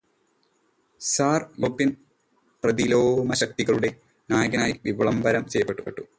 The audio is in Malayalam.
സാർ യൂറോപ്യൻ പ്രതിലോമശക്തികളുടെ നായകനായി വിളംബരം ചെയ്യപ്പെട്ടു.